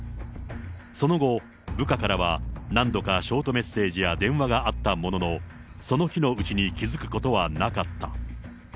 その後、部下からは何度かショートメッセージや電話があったものの、その日のうちに気付くことはなかった。